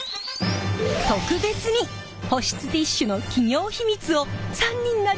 特別に保湿ティッシュの企業秘密を３人がリポート！